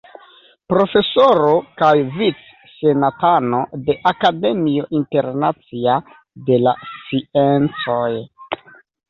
Profesoro kaj vic-senatano de Akademio Internacia de la Sciencoj.